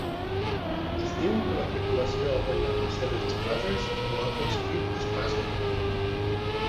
Es diu que la tripulació "ha guanyat les seves espases" o ha aconseguit "espases".